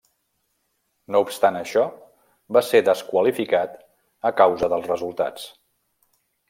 No obstant això, va ser desqualificat a causa dels resultats.